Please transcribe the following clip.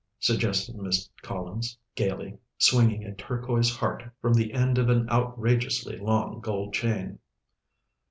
suggested Miss Collins gaily, swinging a turquoise heart from the end of an outrageously long gold chain.